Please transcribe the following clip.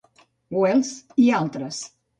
Wells i altres.